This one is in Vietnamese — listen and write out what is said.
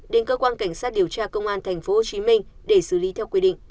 đến cơ quan cảnh sát điều tra công an tp hcm để xử lý theo quy định